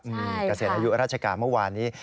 เกษียณอายุราชการเมื่อวานนี้